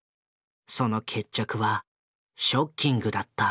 その決着はショッキングだった。